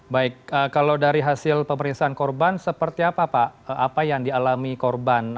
baik kalau dari hasil pemeriksaan korban seperti apa pak apa yang dialami korban